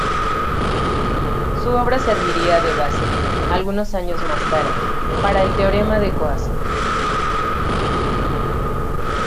Su obra serviría de base, algunos años más tarde, para el teorema de Coase.